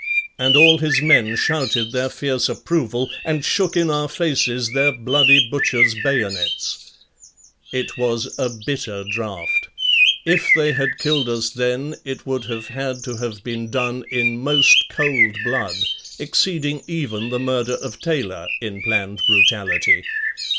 And all his men shouted their fierce approval and shook in our faces their bloody butcher's bayonets. It was a bitter draught. If they had killed us then it would have had to have been done in most cold blood, exceeding even the murder of Taylor in planned brutality.